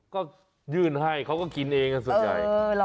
ก็ยื่นให้เขาก็กินเองกันส่วนใหญ่